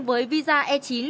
với visa e chín